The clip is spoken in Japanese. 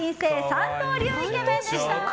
三刀流イケメンでした。